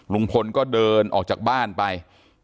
ลุงพลก็เดินออกจากบ้านไป